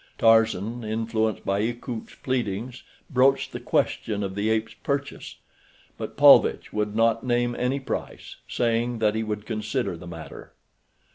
Tarzan, influenced by Akut's pleadings, broached the question of the ape's purchase; but Paulvitch would not name any price, saying that he would consider the matter.